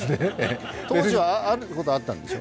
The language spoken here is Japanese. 当時はあることはあったんでしょ？